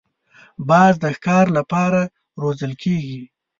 باز د ښکار له پاره روزل کېږي